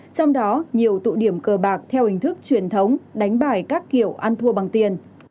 trong đó nhiều tụ điểm cờ bạc theo hình thức truyền thống đánh bài các kiểu ăn thua bằng tiền